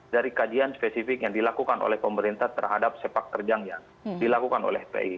dari kajian spesifik yang dilakukan oleh pemerintah terhadap sepak terjang yang dilakukan oleh fpi